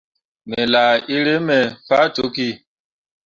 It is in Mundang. Me laa eremme faa cokki.